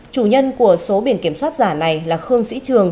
chủ nhân của số biển kiểm soát giả này là khương sĩ trường